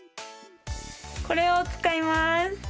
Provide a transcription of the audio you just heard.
これを使います！